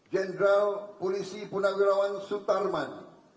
jenderal polisi puna wirawan subtarman